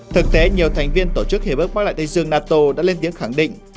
thực tế nhiều thành viên tổ chức hiệp ước mối lại tây dương nato đã lên tiếng khẳng định